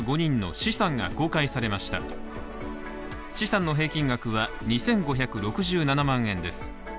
資産の平均額は２５６７万円です。